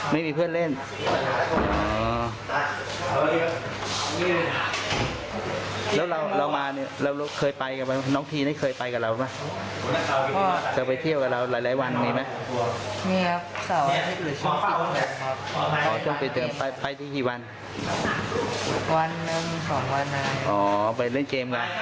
อ๋อไปเล่นเกมไงจากบ้านเนี่ยเหรอ